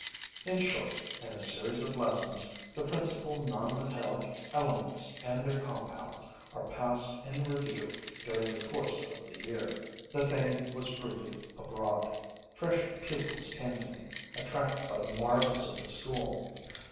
In short, in a series of lessons, the principal nonmetallic elements and their compounds are passed in review during the course of the year. The thing was bruited abroad. Fresh pupils came to me, attracted by the marvels of the school.